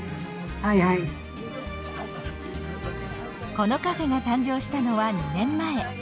このカフェが誕生したのは２年前。